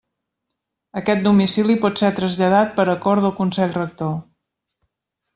Aquest domicili pot ser traslladat per acord del Consell Rector.